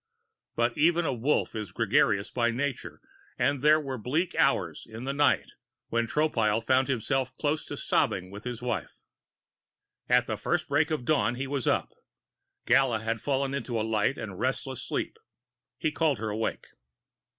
But even a Wolf is gregarious by nature and there were bleak hours in that night when Tropile found himself close to sobbing with his wife. At the first break of dawn, he was up. Gala had fallen into a light and restless sleep; he called her awake.